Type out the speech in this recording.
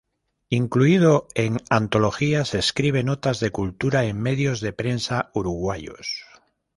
Incluido en antologías, escribe notas de cultura en medios de prensa uruguayos.